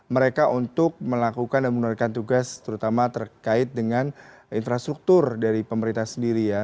mereka untuk melakukan dan menurunkan tugas terutama terkait dengan infrastruktur dari pemerintah sendiri ya